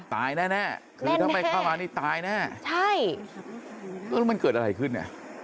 ตายแน่คือถ้าไปคาวานี่ตายแน่ใช่แล้วมันเกิดอะไรขึ้น